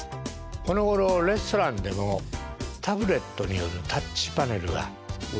このごろレストランでのタブレットによるタッチパネルが多いですね。